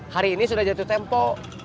hari ini sudah jatuh tempo